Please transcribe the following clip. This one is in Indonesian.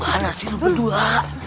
gimana sih lo berdua